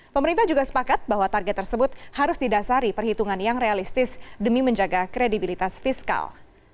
pemerintah juga sepakat bahwa target tersebut harus didasari perhitungan yang realistis demi menjaga kredibilitas fiskal